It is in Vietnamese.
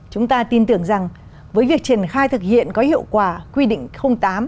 chúng ta tin tưởng rằng với việc triển khai thực hiện có hiệu quả quy định tám